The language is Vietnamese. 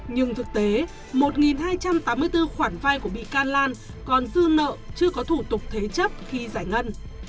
nhưng thực tế một hai trăm tám mươi bốn khoản vay của bị can lan còn dư nợ chưa có thủ tục thế chấp khi giải ngân